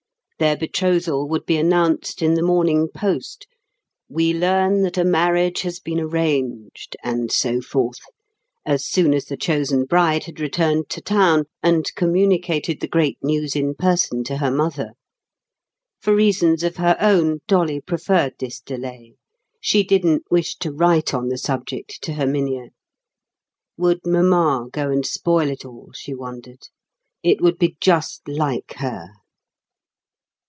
Their betrothal would be announced in the Morning Post—"We learn that a marriage has been arranged," and so forth—as soon as the chosen bride had returned to town, and communicated the great news in person to her mother. For reasons of her own, Dolly preferred this delay; she didn't wish to write on the subject to Herminia. Would mamma go and spoil it all? she wondered. It would be just like her.